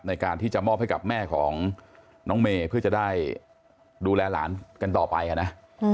ในการที่จะมอบให้กับแม่ของน้องเมย์เพื่อจะได้ดูแลหลานกันต่อไปนะ